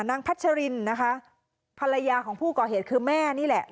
พัชรินนะคะภรรยาของผู้ก่อเหตุคือแม่นี่แหละ